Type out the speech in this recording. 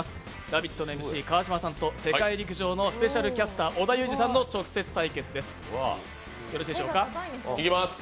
「ラヴィット！」のＭＣ・川島さんと世界陸上のスペシャルキャスター織田裕二さんの直接対決です。